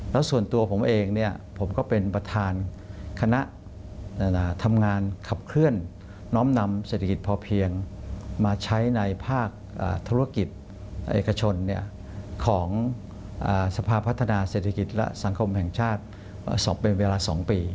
แล้วส่วนตัวผมเองผมก็เป็นประธานคณะทำงานขับเคลื่อนน้อมนำเศรษฐกิจพอเพียงมาใช้ในภาคธุรกิจเอกชนของสภาพัฒนาเศรษฐกิจและสังคมแห่งชาติเป็นเวลา๒ปี